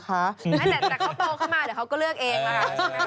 แต่จากเขาโปกเข้ามาเดี๋ยวก็ก็เลือกเอง